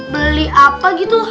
beli apa gitu